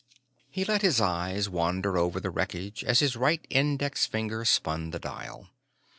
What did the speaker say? He let his eyes wander over the wreckage as his right index finger spun the dial.